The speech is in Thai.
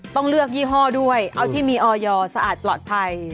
ต้องเลือกยี่ห้อด้วยเอาที่มีออยสะอาดปลอดภัย